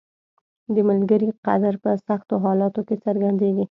• د ملګري قدر په سختو حالاتو کې څرګندیږي.